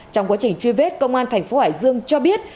trong quá trình truy vết công an thành phố hải dương cho biết